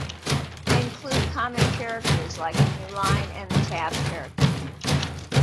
They include common characters like the newline and the tab character.